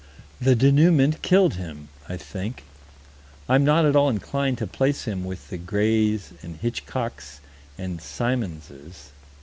The dénouement killed him, I think. I'm not at all inclined to place him with the Grays and Hitchcocks and Symonses.